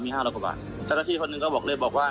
มีห้าร้อยกว่าบาทแต่ละที่คนหนึ่งก็บอกเลยบอกว่า